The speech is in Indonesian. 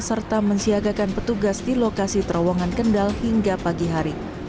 serta mensiagakan petugas di lokasi terowongan kendal hingga pagi hari